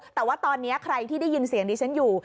แต่ว่าตอนนี้ใครที่ได้ยินเสียงดิฉันอยู่